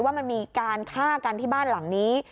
ว่ามันมีการฆ่ากันที่บ้านหลังนี้